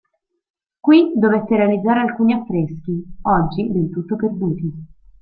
Qui dovette realizzare alcuni affreschi, oggi del tutto perduti.